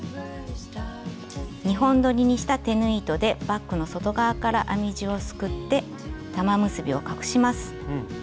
２本どりにした手縫い糸でバッグの外側から編み地をすくって玉結びを隠します。